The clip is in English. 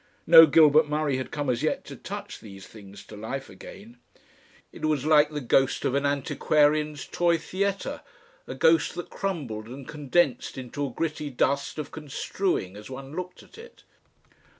No Gilbert Murray had come as yet to touch these things to life again. It was like the ghost of an antiquarian's toy theatre, a ghost that crumbled and condensed into a gritty dust of construing as one looked at it.